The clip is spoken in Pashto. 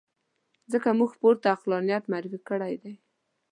ځکه موږ پورته عقلانیت تعریف کړی دی.